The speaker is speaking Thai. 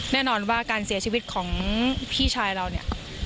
แน่นอนว่าการเสียชีวิตของพี่ชายเราเนี่ย